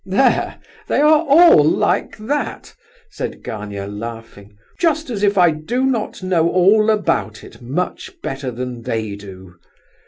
"There, they are all like that," said Gania, laughing, "just as if I do not know all about it much better than they do."